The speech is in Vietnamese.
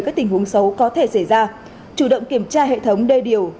các tình huống xấu có thể xảy ra chủ động kiểm tra hệ thống đê điều